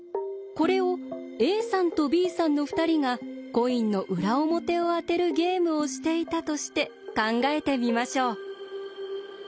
これをＡさんとＢさんの２人がコインの裏表を当てるゲームをしていたとして考えてみましょう。